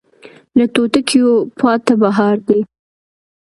له توتکیو پاته بهار دی